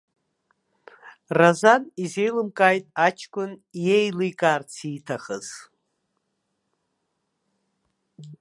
Разан изеилымкааит аҷкәын иеиликаарц ииҭахыз.